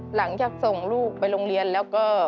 หลังจากส่งลูกไปโรงเรียนแล้วก็